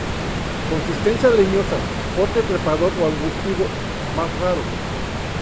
Consistencia leñosa, porte trepador o arbustivo, más raro.